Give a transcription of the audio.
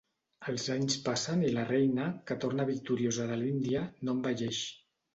Els anys passen i la reina, que torna victoriosa de l'Índia, no envelleix.